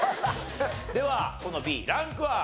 ではこのＢランクは？